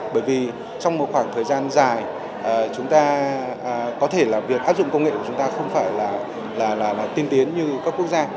bởi vì trong một khoảng thời gian dài chúng ta có thể là việc áp dụng công nghệ của chúng ta không phải là tiên tiến như các quốc gia